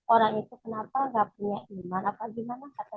orang itu kenapa nggak punya iman apa gimana